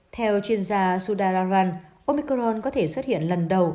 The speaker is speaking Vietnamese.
theo chuyên gia sudaran omicron có thể xuất hiện lần đầu